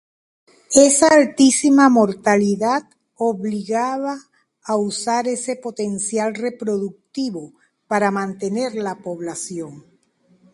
Esa altísima mortalidad obligaba a usar ese potencial reproductivo para mantener la población.